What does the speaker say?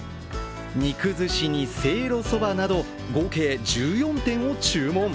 肉寿司にせいろそばなど合計１４点を注文。